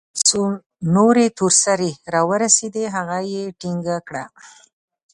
څو نورې تور سرې راورسېدې هغه يې ټينګه كړه.